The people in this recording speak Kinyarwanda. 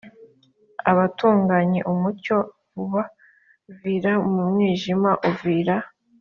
abatunganye umucyo ubavira mu mwijima uvira